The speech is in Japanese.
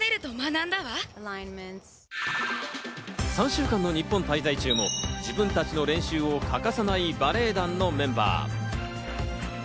３週間の日本滞在中も自分たちの練習を欠かさないバレエ団のメンバー。